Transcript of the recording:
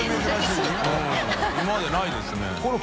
うん今までにないですね。